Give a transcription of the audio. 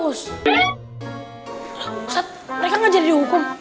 ustadz mereka gak jadi dihukum